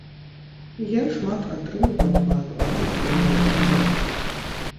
Я шмат атрымліваў па твары ў сваім маленькім гарадку.